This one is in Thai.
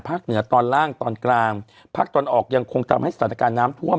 เหนือตอนล่างตอนกลางภาคตะวันออกยังคงทำให้สถานการณ์น้ำท่วม